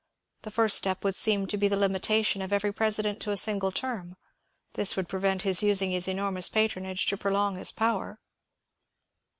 The first step would seem to be the limitation of every president to a single term. This would prevent his using his enormous patronage to prolong his power."